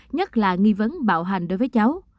nhất là nghi vấn bạo hành đối với cháu